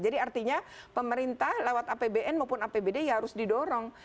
jadi artinya pemerintah lewat apbn maupun apbd ya harus didorong